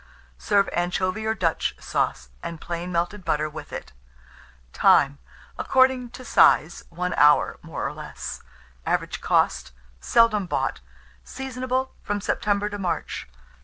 Serve anchovy or Dutch sauce, and plain melted butter with it. Time. According to size, 1 hour, more or less. Average cost. Seldom bought. Seasonable from September to March.